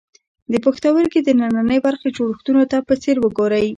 د پښتورګي دننۍ برخې جوړښتونو ته په ځیر وګورئ.